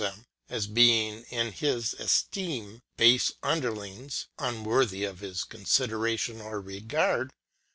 i'. them, as being in his Efteem bafe Underlings, ^ 6. unworthy of his Confideration or Regard.